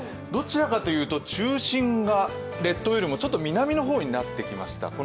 どちらかというと、中心が列島よりもちょっと南の方になってきました。